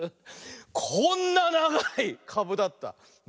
こんなながいかぶだった。ね。